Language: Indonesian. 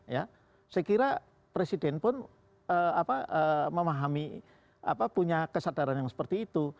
saya kira presiden pun memahami punya kesadaran yang seperti itu